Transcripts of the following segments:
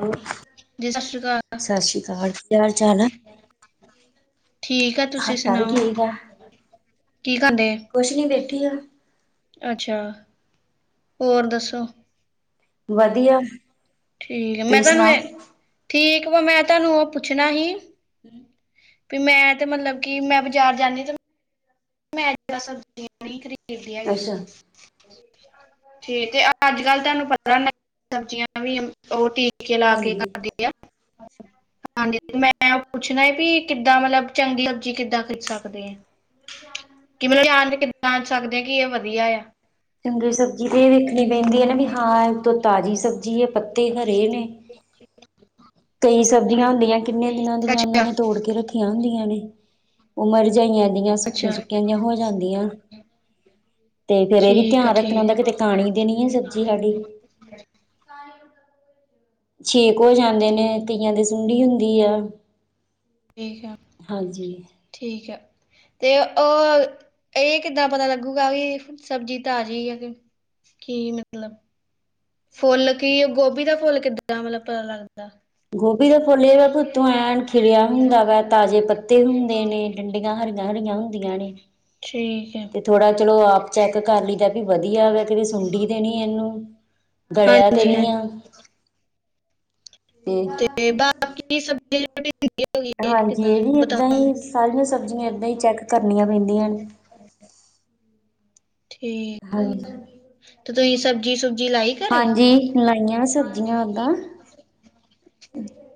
ਹੋਰ ਜੀ ਸਤਿ ਸ੍ਰੀ ਅਕਾਲ ਸਤਿ ਸ਼੍ਰੀ ਅਕਾਲ ਕੀ ਹਾਲ ਚਾਲ ਆ? ਠੀਕ ਆ ਤੁਸੀਂ ਸਾਡਾ ਵੀ ਸੁਣਾਓ ਠੀਕ ਆ ਕੀ ਕਹਦੇ ਕੁਛ ਨਈ ਬੈਠੀਆਂ ਅੱਛਾ ਹੋਰ ਦੱਸੋ ਵਧੀਆ ਠੀਕ ਆ ਮੈਂ ਤੁਸੀਂ ਤੁਹਾਨੂੰ ਸੁਣਾਓ? ਠੀਕ ਵਾ ਮੈਂ ਤੁਹਾਨੂੰ ਉਹ ਪੁੱਛਣਾ ਸੀ। [unintelligible] ਵੀ ਮੈਂ ਤੇ ਮਤਲਬ ਕਿ ਮੈਂ ਬਾਜ਼ਾਰ ਜਾਂਦੀ ਤੇ ਅੱਛਾ। [unintelligible] ਠੀਕ ਤੇ ਅੱਜ ਕੱਲ ਤੁਹਾਨੂੰ ਪਤਾ ਸਬਜ਼ੀਆਂ ਤਾਂ ਵੀ ਉਹ ਟੀਕੇ ਲਾ ਕੇ ਹਾਂਜੀ। ਕਰਦੀ ਆ। ਹਾਂਜੀ ਮੈਂ ਪੁੱਛਣਾ ਹੈ ਵੀ ਕਿੱਦਾਂ ਮਤਲਬ ਚੰਗੀ ਸਬਜ਼ੀ ਕਿੱਦਾਂ ਖਰੀਦ ਸਕਦੇ ਆ। [inaudible] ਕਿ ਮਤਲਬ ਜਾਣ ਸਕਦੇ ਆ ਕਿ ਇਹ ਵਧੀਆ ਏ ਚੰਗੀ ਸਬਜ਼ੀ ਤੇ ਇਹ ਵੇਖਣੀ ਪੈਂਦੀ ਹੈ ਨਾ ਵੀ ਹਾਂ ਇਹ ਤੋਂ ਤਾਜ਼ੀ ਸਬਜ਼ੀ ਹੈ। ਪੱਤੇ ਹਰੇ ਨੇ ਕਈ ਸਬਜ਼ੀਆਂ ਹੁੰਦੀਆਂ ਕਿੰਨੇ ਦਿਨਾਂ ਦੀਆਂ ਉਹਨਾਂ ਅੱਛਾ ਨੇ ਤੋੜ ਕੇ ਰੱਖੀਆਂ ਹੁੰਦੀਆਂ ਨੇ ਉਹ ਮਰਜਾਈਆਂ ਦੀਆਂ ਸੁੱਕੀਆਂ ਅੱਛਾ ਸੁੱਕੀਆਂ ਜਿਆਂ ਹੋ ਜਾਂਦੀਆਂ ਤੇ ਫੇਰ ਇਹ ਵੀ ਠੀਕ ਆ ਧਿਆਨ ਰੱਖਣਾ ਠੀਕ ਹੁੰਦਾ ਆ, ਕਿਤੇ ਕਾਣੀ ਦੇ ਨੀ ਹੈ ਸਬਜ਼ੀ ਸਾਡੀ [inaudible] ਛੇਕ ਹੋ ਜਾਂਦੇ ਨੇ, ਕਈਆਂ ਦੇ ਸੁੰਡੀ ਹੁੰਦੀ ਆ। ਠੀਕ ਆ। ਹਾਂਜੀ। ਠੀਕ ਐ‌। ਤੇ ਉਹ, ਇਹ ਕਿੱਦਾਂ ਪਤਾ ਲੱਗੂਗਾ ਵੀ ਸਬਜ਼ੀ ਤਾਜ਼ੀ ਆ, ਕਿ? ਕੀ ਮਤਲਬ? ਫੁੱਲ ਕੀ, ਗੋਭੀ ਦਾ ਫੁੱਲ ਕਿੱਦਾਂ ਮਤਲਬ ਪਤਾ ਲੱਗਦਾ? ਗੋਭੀ ਦਾ ਫੁੱਲ ਇਹ ਵਾ, ਓਤੋਂ ਐਨ ਖਿਲਿਆ ਹੁੰਦਾ ਵਾ, ਤਾਜ਼ੇ ਪੱਤੇ ਹੁੰਦੇ ਨੇ। ਡੰਡੀਆਂ ਹਰੀਆਂ-ਹਰੀਆਂ ਹੁੰਦੀਆਂ ਨੇ। ਠੀਕ। ਹੈ ਤੇ ਥੋੜਾ ਚਲੋ ਆਪ ਚੈੱਕ ਕਰ ਲਈਦਾ ਵੀ ਵਧੀਆ ਵੈ, ਕਿ ਸੁੰਡੀ ਤੇ ਨੀ ਇਹਨੂੰ। ਗਲਿਆ ਤੇ ਹਾਂਜੀ ਨਹੀ ਹਾਂਜੀ ਆ, ਤੇ ਤੇ, ਬਾਕੀ ਸਭ [unintelligible] ਹਾਂਜੀ ਇਹ ਵੀ ਏਦਾਂ ਬਤਾਉਂ ਹੀ, ਸਾਰੀਆਂ ਸਬਜ਼ੀਆਂ ਏਦਾਂ ਹੀ ਚੈੱਕ ਕਰਨੀਆਂ ਪੈਂਦੀਆਂ ਨੇ। ਠੀਕ ਆ, ਹਾਂਜੀ ਤੇ ਤੁਹੀ ਸਬਜ਼ੀ-ਸੁਬਜੀ ਲਾਈ? ਘਰੇ ਹਾਂਜੀ, ਲਾਈਆਂ ਸਬਜ਼ੀਆਂ ਓਦਾਂ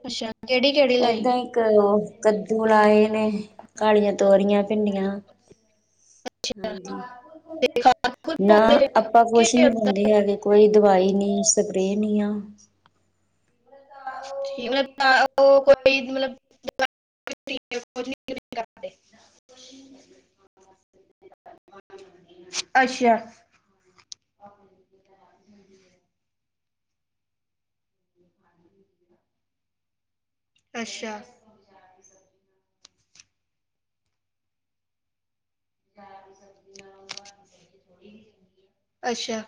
ਅੱਸ਼ਾ ਕਿਹੜੀ-ਕਿਹੜੀ ਲਾਈ? ਕ‌ ਉਹ ਕੱਦੂ ਲਾਏ ਨੇ, ਕਾਲੀਆਂ ਤੋਰੀਆਂ ਭਿੰਡੀਆਂ, ਅੱਛਾ ਹਾਂਜੀ। ਤੇ ਖਾਦ ਖੁਦ ਨਾ ਪਾਉਂਦੇ ਜੇ ਆਪਾਂ ਕਿ ਕੁਛ ਨਈ ਉਦਾਂ? ਪਾਉਂਦੇ ਹੈਗੇ, ਕੋਈ ਦਵਾਈ ਨਈ ਸਪਰੇਅ ਨਈ ਆ। ਠੀਕ ਆ, ਉਹ ਕੋਈ ਮਤਲਬ [unintelligible] [unintelligible] ਅੱਸ਼ਾ। ਅੱਸ਼ਾ। ਅੱਸ਼ਾ